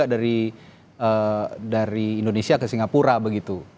ada larangan terbang juga dari indonesia ke singapura begitu